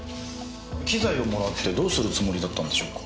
機材をもらってどうするつもりだったんでしょうか？